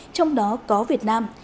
trong đó có việt nam